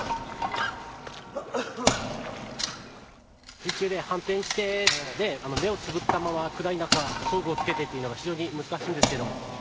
水中で反転して目をつむって装具を付けてというのが非常に難しいんですけれども。